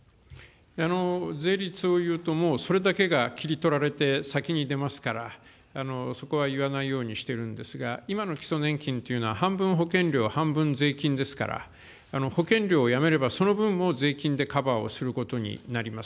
税率を言うと、もうそれだけが切り取られて、先に出ますから、そこは言わないようにしているんですが、今の基礎年金というのは、半分保険料、半分税金ですから、保険料をやめれば、その分を税金でカバーをすることになります。